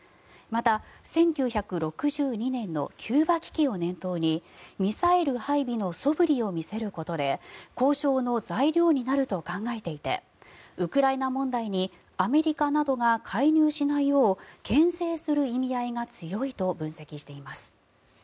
また、１９６２年のキューバ危機を念頭にミサイル配備のそぶりを見せることで交渉の材料になると考えていてウクライナ問題にアメリカなどが介入しないようけん制する意味合いが強いと分析しています。